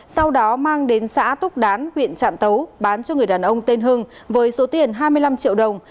sau đó mang đến xã túc đán huyện trạm tấu bán cho người đàn ông tên hưng với số tiền hai mươi năm triệu đồng